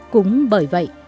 cũng bởi vậy